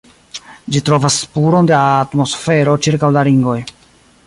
Ĝi trovas spuron da atmosfero ĉirkaŭ la ringoj.